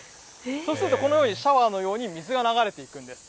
そうするとこのようにシャワーのように水が流れていくんです。